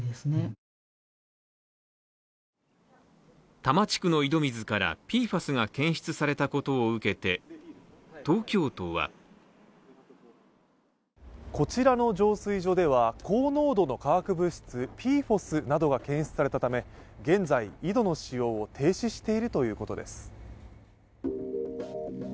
多摩地区の井戸水からＰＦＡＳが検出されたことを受けて東京都はこちらの浄水所では、高濃度の化学物質ＰＦＯＳなどが検出されたため現在、井戸の使用を停止しているということです。